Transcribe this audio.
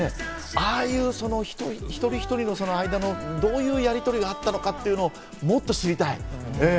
ああいう一人一人の間のどういうやりとりがあったのか、もっと知りたい。